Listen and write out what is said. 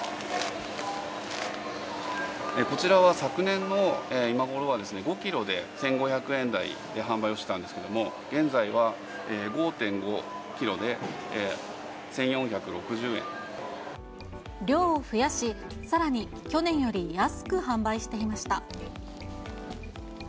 こちらは昨年の今ごろは５キロで１５００円台で販売をしてたんですけれども、現在は５．５キ量を増やし、さらに去年より安く販売していました。